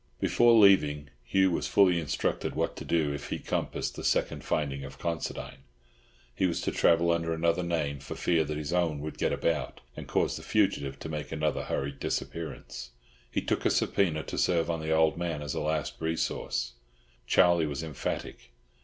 Before leaving Hugh was fully instructed what to do if he compassed the second finding of Considine. He was to travel under another name, for fear that his own would get about, and cause the fugitive to make another hurried disappearance. He took a subpœna to serve on the old man as a last resource. Charlie was emphatic.